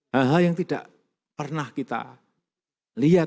hal hal yang tidak pernah kita lihat